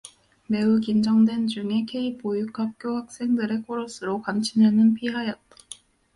매우 긴장된 중에 K보육학교 학생들의 코러스로 간친회는 파하였다.